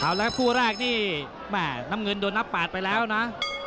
เอาละครับผู้แรกนี่น้ำเงินโดนนับ๘ไปแล้วนะ